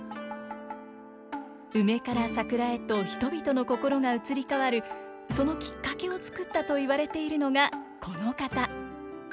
梅から桜へと人々の心が移り変わるそのきっかけを作ったといわれているのがこの方。